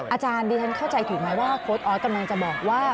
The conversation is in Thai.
อาจารย์ดิฉันเข้าใจถูกไหมว่าโค้ดออสกำลังจะบอกว่า